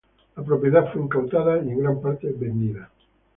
La propiedad fue incautada y en gran parte vendida.